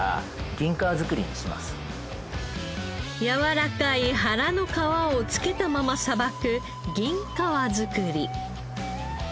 やわらかい腹の皮を付けたままさばく銀皮造り。